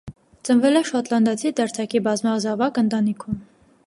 Ծնվել է շոտլանդացի դերձակի բազմազավակ ընտանիքում։